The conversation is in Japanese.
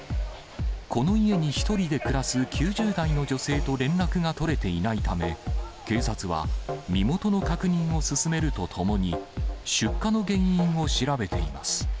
この家に１人で暮らす９０代の女性と連絡が取れていないため、警察は、身元の確認を進めるとともに、出火の原因を調べています。